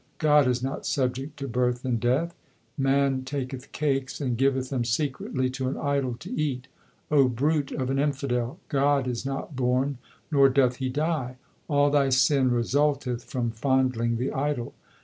God is not subject to birth and death. Man taketh cakes l and giveth them secretly to an idol to eat. O, brute of an infidel, God is not born, nor doth He die. All thy sin result eth from fondling the idol.